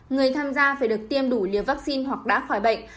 người tham gia phải được tiêm đủ liều vaccine hoặc đã khỏi bệnh